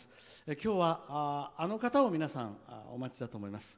今日は、あの方を皆さん、お待ちだと思います。